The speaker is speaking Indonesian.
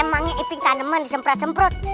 emangnya iping tanaman disemprot semprot